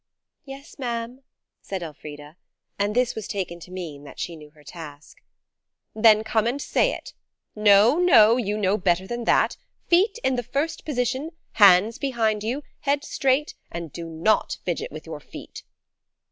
"Yes, ma'am," said Elfrida; and this was taken to mean that she knew her task. "Then come and say it. No, no; you know better than that. Feet in the first position, hands behind you, heads straight, and do not fidget with your feet."